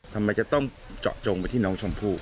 ทำไมจะต้องเจาะจงไปที่น้องชมพู่